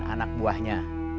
dan anak buahnya